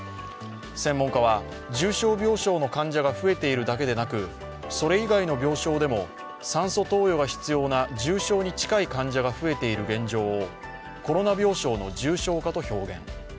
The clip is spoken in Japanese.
専門家は、重症病床の患者が増えているだけでなく、それ以外の病床でも酸素投与が必要な重症に近い患者が増えている現状をコロナ病床の重症化と表現。